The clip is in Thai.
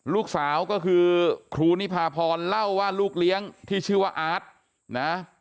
ลูกสาวก็คือครูนิพาพรเล่าว่าลูกเลี้ยงที่ชื่อว่าอาร์ตนะ